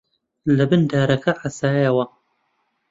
لەبن دارەکە حەسایەوە